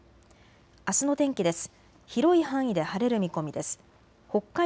あすの天気です。